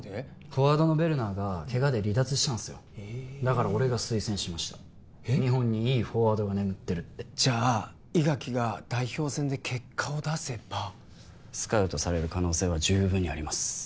フォワードのベルナーがケガで離脱したんすよだから俺が推薦しました日本にいいフォワードが眠ってるってじゃあ伊垣が代表戦で結果を出せばスカウトされる可能性は十分にあります